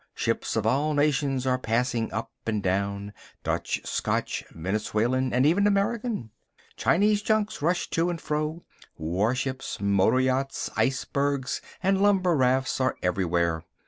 Ships of all nations are passing up and down, Dutch, Scotch, Venezuelan, and even American. Chinese junks rush to and fro. Warships, motor yachts, icebergs, and lumber rafts are everywhere.